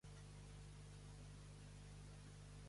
Què es festeja al poema "Geraint, fill d'Erbin"?